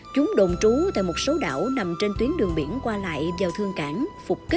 chúng đồn trú tại một số đảo nằm trên tuyến đường biển qua lại vào thương cảng phục vụ